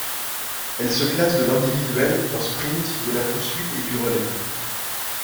Elle se classe de l'Individuel, en sprint, de la poursuite et du relais.